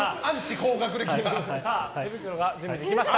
手袋が準備できました。